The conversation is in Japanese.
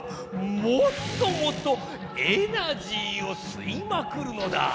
もっともっとエナジーをすいまくるのだ！